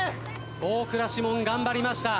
大倉士門頑張りました。